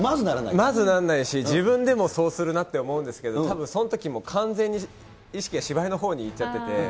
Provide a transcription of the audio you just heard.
まずなんないし、自分でもそうするなって思うんですけど、そのとき、もう完全に意識が芝居のほうに行っちゃってて。